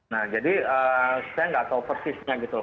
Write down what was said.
nah jadi saya nggak tahu persisnya gitu